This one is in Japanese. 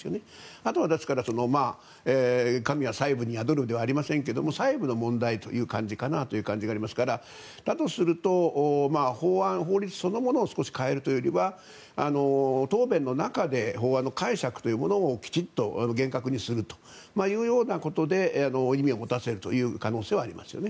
あとは、ですから神は細部に宿るではありませんが細部の問題かなという感じがありますからだとすると、法案法律そのものを少し変えるというよりは答弁の中で法案の解釈というものをきちんと厳格にするというようなことで意味を持たせるという可能性はありますよね。